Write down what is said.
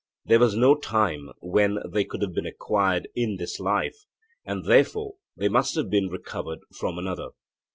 There was no time when they could have been acquired in this life, and therefore they must have been recovered from another.